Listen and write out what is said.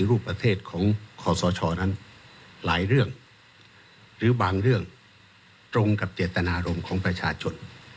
รูปประเทศของขอสชนั้นหลายเรื่องหรือบางเรื่องตรงกับเจตนารมณ์ของประชาชน